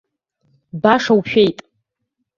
Баша ушәеит.